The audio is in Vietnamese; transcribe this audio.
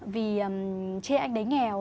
vì chê anh đấy nghèo